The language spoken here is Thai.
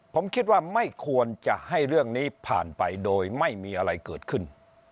ผมคิดว่าไม่ควรจะให้เรื่องนี้ผ่านไปโดยไม่มีอะไรเกิดขึ้น